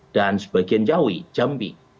dan sebagian jawi jambi